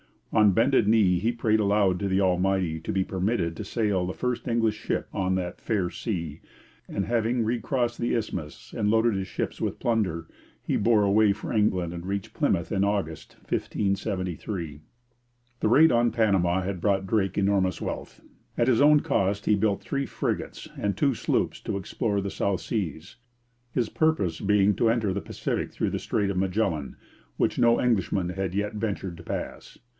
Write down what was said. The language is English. On bended knee he prayed aloud to the Almighty to be permitted to sail the first English ship on that 'faire sea.' And, having recrossed the isthmus and loaded his ships with plunder, he bore away for England and reached Plymouth in August 1573. The raid on Panama had brought Drake enormous wealth. At his own cost he built three frigates and two sloops to explore the South Seas, his purpose being to enter the Pacific through the Strait of Magellan, which no Englishman had yet ventured to pass.